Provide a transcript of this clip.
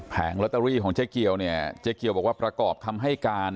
แผงลอตเตอรี่ของเจ๊เกียวบอกว่าประกอบคำให้การ